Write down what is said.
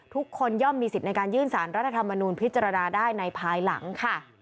ย่อมมีสิทธิ์ในการยื่นสารรัฐธรรมนูลพิจารณาได้ในภายหลังค่ะ